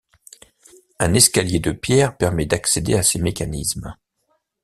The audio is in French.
Un escalier de pierre permet d’accéder à ses mécanismes.